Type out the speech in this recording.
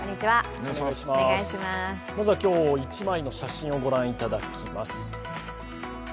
まずは今日、一枚の写真をご覧いただきます。